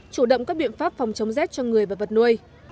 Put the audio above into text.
chủ động các biện pháp phòng chống rét cho người và vật nuôi